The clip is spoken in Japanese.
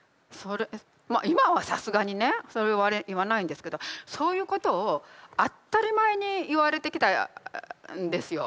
まあ今はさすがにねそれは言わないんですけどそういうことを当たり前に言われてきたんですよ。